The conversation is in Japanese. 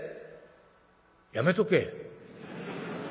やめとけ。